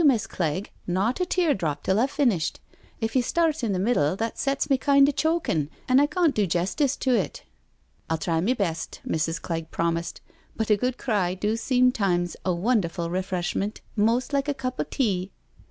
Miss' Clegg, not a tear drop till I've finished— if you start in the middle that sets me kind o' chokin', an' I cawn't do jestice to it." " rU try m;e best," Mrs. Clegg promised, " but a good cry do seem times a wonderful refreshment, most like a cup o' tea."